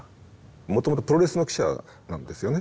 もともとプロレスの記者なんですよね。